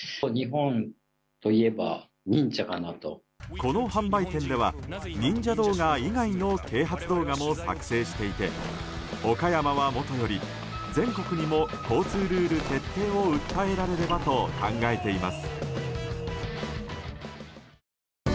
この販売店では忍者動画以外の啓発動画も作成していて岡山はもとより全国にも交通ルール徹底を訴えられればと考えています。